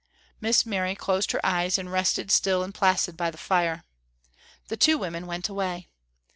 Miss Mary closed her eyes and rested still and placid by the fire. The two women went away.